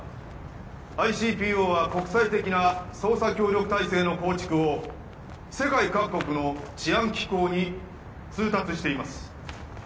ＩＣＰＯは国際的な捜査協力体制の構築を世界各国の治安機構に通達しています